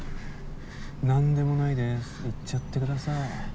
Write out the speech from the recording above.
何でもないです行っちゃってください。